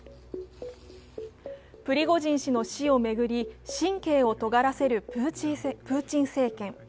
プリゴジン氏の死を巡り、神経を尖らせるプーチン政権。